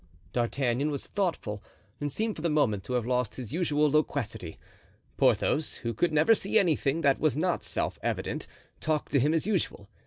D'Artagnan was thoughtful and seemed for the moment to have lost his usual loquacity. Porthos, who could never see anything that was not self evident, talked to him as usual.